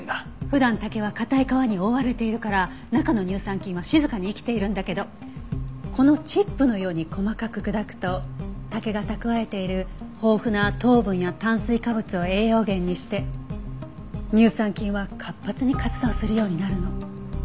普段竹は硬い皮に覆われているから中の乳酸菌は静かに生きているんだけどこのチップのように細かく砕くと竹が蓄えている豊富な糖分や炭水化物を栄養源にして乳酸菌は活発に活動するようになるの。